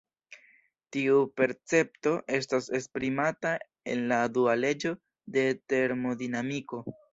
Tiu percepto estas esprimata en la dua leĝo de termodinamiko.